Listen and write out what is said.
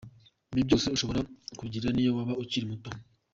Ibi byose ushobora kubigira n’iyo waba ukiri muto.